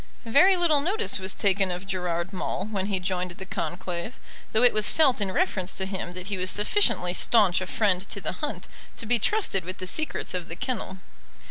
Very little notice was taken of Gerard Maule when he joined the conclave, though it was felt in reference to him that he was sufficiently staunch a friend to the hunt to be trusted with the secrets of the kennel.